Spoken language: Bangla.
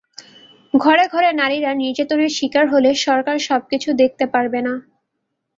ঘরে ঘরে নারীরা নির্যাতনের শিকার হলে সরকার সবকিছু দেখতে পারবে না।